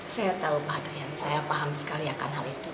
saya tahu pak adrian saya paham sekali akan hal itu